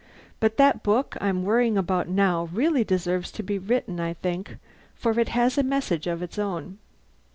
But this book I'm worrying about now really deserves to be written, I think, for it has a message of its own."